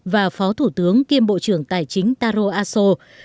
và phó thủ tướng kiêm bộ trưởng tài chính taro aso